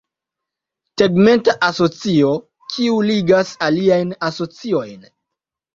Tegmenta asocio, kiu ligas aliajn asociojn.